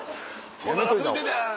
「おなかすいてた」。